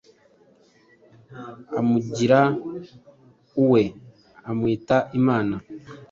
amugira uwe amwita Imana.